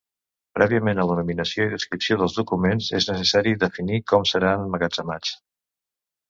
Prèviament a la nominació i descripció dels documents és necessari definir com seran emmagatzemats.